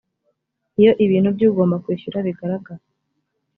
iyo ibintu by ugomba kwishyura bigaragara